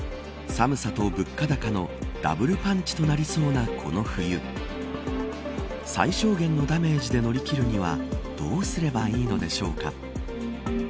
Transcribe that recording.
寒さと物価高のダブルパンチとなりそうなこの冬最小限のダメージで乗り切るにはどうすればいいのでしょうか。